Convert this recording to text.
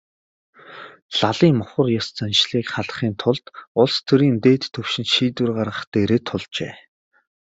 Лалын мухар ес заншлыг халахын тулд улс төрийн дээд түвшинд шийдвэр гаргах дээрээ тулжээ.